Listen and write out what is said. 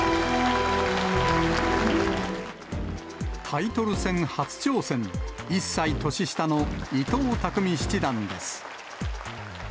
タイトル戦初挑戦、１歳年下の伊藤匠七段です。